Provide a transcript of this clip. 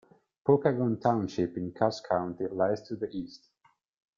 Pokagon Township in Cass County lies to the east.